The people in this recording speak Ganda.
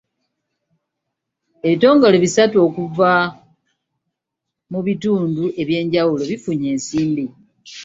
Ebitongole bisatu okuva mu bitundu eby'enjawulo bifunye ensimbi.